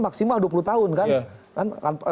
maksimal dua puluh tahun kan